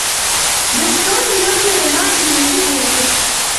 دستګاه د لمر له رڼا انرژي جوړوي.